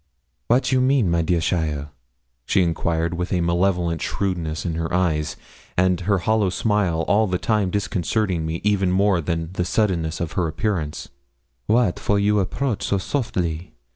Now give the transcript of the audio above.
'Wat you mean, my dear cheaile?' she inquired with a malevolent shrewdness in her eyes, and her hollow smile all the time disconcerting me more even than the suddenness of her appearance; 'wat for you approach so softly?